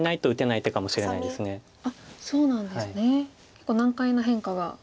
結構難解な変化が。